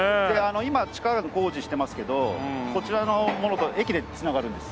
今地下の工事してますけどこちらのものと駅で繋がるんです。